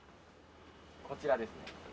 こちらですね。